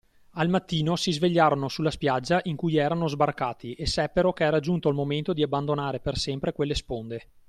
Al mattino, si svegliarono sulla spiaggia in cui erano sbarcati, e seppero che era giunto il momento di abbandonare per sempre quelle sponde.